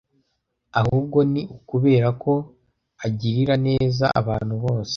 ahubwo ni ukubera ko agirira neza abantu bose.